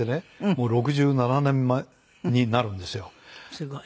すごい。